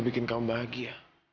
bikin kamu bahagia